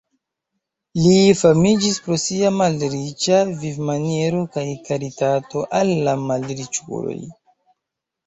Li famiĝis pro sia malriĉa vivmaniero kaj karitato al la malriĉuloj.